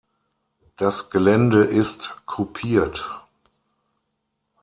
Das Gelände ist kupiert.